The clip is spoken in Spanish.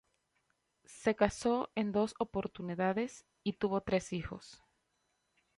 Se casó en dos oportunidades y tuvo tres hijos.